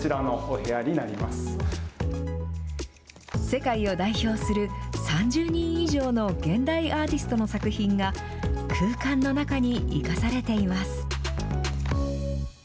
世界を代表する３０人以上の現代アーティストの作品が、空間の中に生かされています。